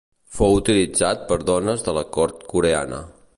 Fou utilitzat per dones de la Cort coreana.